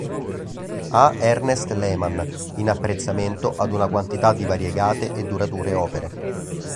A Ernest Lehman, in apprezzamento ad una quantità di variegate e durature opere.